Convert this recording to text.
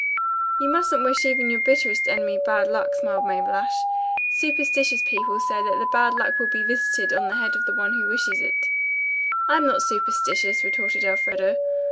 "You mustn't wish even your bitterest enemy bad luck," smiled Mabel Ashe. "Superstitious people say that the bad luck will be visited on the head of the one who wishes it." "I'm not superstitious," retorted Elfreda.